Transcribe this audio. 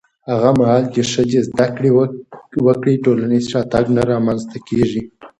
هغه مهال چې ښځې زده کړه وکړي، ټولنیز شاتګ نه رامنځته کېږي.